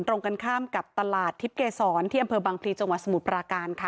ตรงกันข้ามกับตลาดทิพย์เกษรที่อำเภอบังพลีจังหวัดสมุทรปราการค่ะ